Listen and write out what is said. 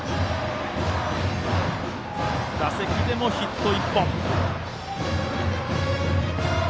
打席でもヒット１本。